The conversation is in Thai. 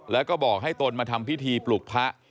แล้วก็บอกให้ตนมาทำพิธีปลุกพระ